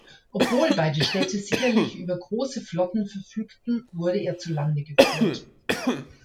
Obwohl beide Städte sicherlich über große Flotten verfügten, wurde er zu Lande geführt.